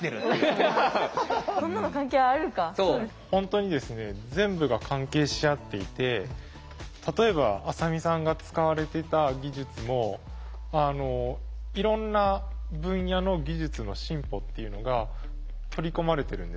本当にですね全部が関係し合っていて例えば浅見さんが使われてた技術もいろんな分野の技術の進歩っていうのが取り込まれてるんですね。